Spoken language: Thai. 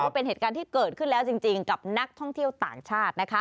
เป็นเหตุการณ์ที่เกิดขึ้นแล้วจริงกับนักท่องเที่ยวต่างชาตินะคะ